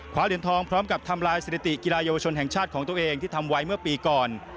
เหรียญทองพร้อมกับทำลายสถิติกีฬาเยาวชนแห่งชาติของตัวเองที่ทำไว้เมื่อปีก่อน